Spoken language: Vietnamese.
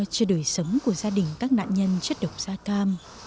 cho đời sống của gia đình các nạn nhân chất độc da cam